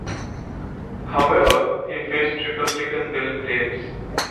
However, he faced Republican Bill Graves.